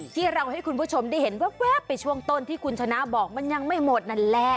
ที่เราให้คุณผู้ชมได้เห็นแว๊บไปช่วงต้นที่คุณชนะบอกมันยังไม่หมดนั่นแหละ